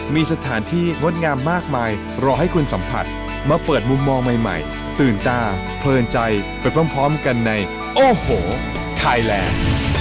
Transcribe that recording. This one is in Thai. มีสถานที่งดงามมากมายรอให้คุณสัมผัสมาเปิดมุมมองใหม่ตื่นตาเพลินใจไปพร้อมกันในโอ้โหไทยแลนด์